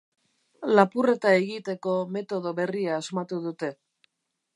Lapurreta egiteko metodo berria asmatu dute.